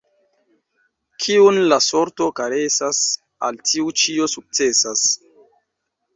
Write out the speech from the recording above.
Kiun la sorto karesas, al tiu ĉio sukcesas.